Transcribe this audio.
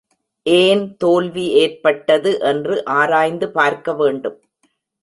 ஏன் தோல்வி ஏற்பட்டது என்று ஆராய்ந்து பார்க்க வேண்டும்.